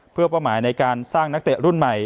เพื่อเป้าหมายในการสร้างนักเตะรุ่นใหม่